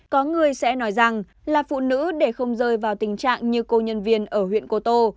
có người sẽ nói rằng là phụ nữ để không rơi vào tình trạng như cô nhân viên ở huyện cô tô